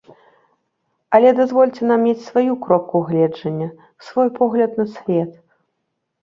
Але дазвольце нам мець сваю кропку гледжання, свой погляд на свет.